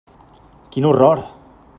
Quin horror!